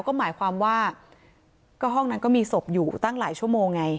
ก็หมายความว่าก็ห้องนั้นก็มีศพอยู่ตั้งหลายชั่วโมงไง